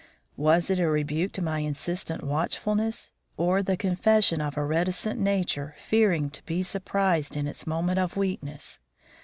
Was it a rebuke to my insistent watchfulness? or the confession of a reticent nature fearing to be surprised in its moment of weakness?